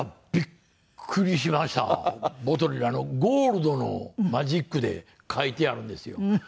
ボトルにゴールドのマジックで書いてあるんですよ。